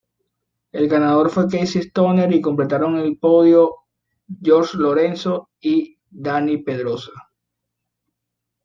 El ganador fue Casey Stoner y completaron el podio Jorge Lorenzo y Dani Pedrosa.